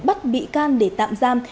bắt bị can để tạm giam